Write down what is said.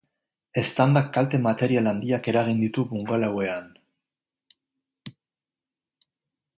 Eztandak kalte material handiak eragin ditu bungalowean.